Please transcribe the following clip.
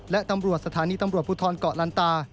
และตำรวจสถานีตำรวจภูทรเกาะลันตา